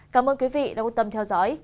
cảm ơn quý vị đã quan tâm theo dõi